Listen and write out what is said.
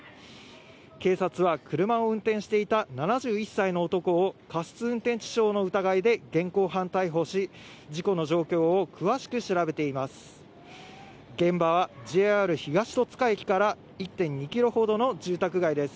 警察は車を運転していた７１歳の男を過失運転致傷の疑いで現行犯逮捕し、事故の状況を詳しく調べています。